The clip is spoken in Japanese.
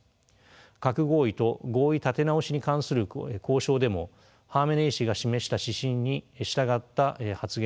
核合意と合意立て直しに関する交渉でもハーメネイ師が示した指針に従った発言が目立ちます。